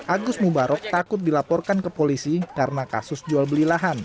agus mubarok takut dilaporkan ke polisi karena kasus jual beli lahan